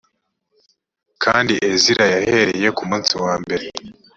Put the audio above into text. kandi ezira yahereye ku munsi wa mbere